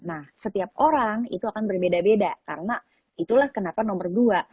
nah setiap orang itu akan berbeda beda karena itulah kenapa nomor dua